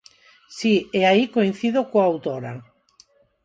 Si, e aí coincido coa autora.